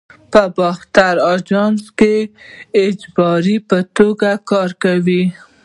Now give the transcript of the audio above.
په باختر آژانس کې اجیر په توګه کار کاوه.